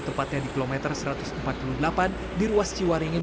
tepatnya di kilometer satu ratus empat puluh delapan di ruas ciwaringin